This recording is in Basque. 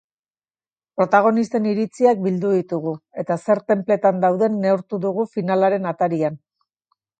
Protagonisten iritziak bildu ditugu eta zer tenpletan dauden neurtu dugu finalaren atarian.